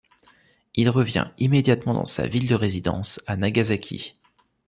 Il revient immédiatement dans sa ville de résidence, à Nagasaki.